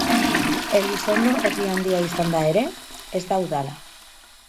Elizondo, herri handia izanda ere, ez da udala.